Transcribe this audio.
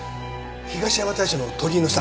東山大社の鳥居の下。